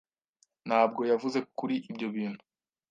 ntabwo yavuze kuri ibyo bintu.